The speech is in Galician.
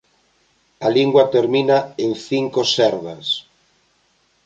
A lingua termina en cinco serdas.